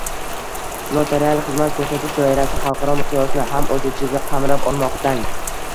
Notarial xizmat ko‘rsatish doirasi xalqaro miqyosni ham o‘z ichiga qamrab olmoqda ng